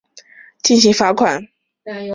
这是该协会首次对法学院数据造假进行罚款。